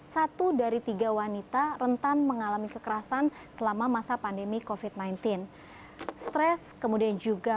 satu dari tiga wanita rentan mengalami kekerasan selama masa pandemi kofit sembilan belas stres kemudian juga